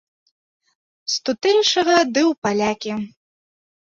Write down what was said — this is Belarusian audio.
З тутэйшага ды у палякі!